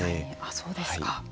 そうですか。